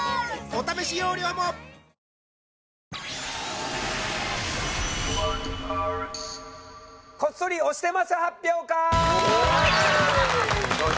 お試し容量もこっそり推してます発表会！